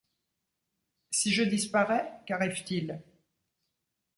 Si je disparais, qu’arrive-t-il ?